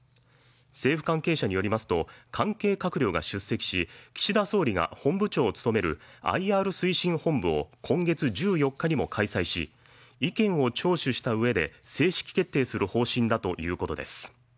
政府関係者によりますと、関係閣僚が出席し、岸田総理が本部長を務めるＩＲ推進本部を今月１４日にも開催し、意見を聴取した上で正式決定する方針だということです。